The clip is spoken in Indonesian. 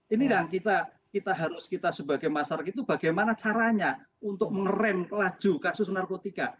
ini yang kita harus kita sebagai masyarakat itu bagaimana caranya untuk mengeram laju kasus narkotika